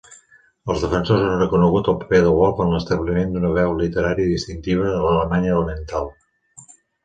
Els defensors han reconegut el paper de Wolf en l'establiment d'una veu literària distintiva de l'Alemanya Oriental.